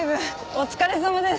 お疲れさまです。